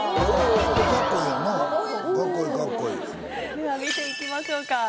では見ていきましょうか。